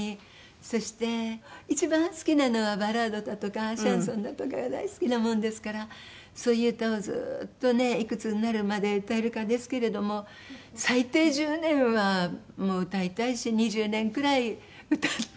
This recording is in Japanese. そして一番好きなのはバラードだとかシャンソンだとかが大好きなものですからそういう歌をずーっとねいくつになるまで歌えるかですけれども最低１０年は歌いたいし２０年くらい歌って。